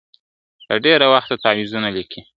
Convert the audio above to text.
له ډېره وخته تعویذونه لیکي ..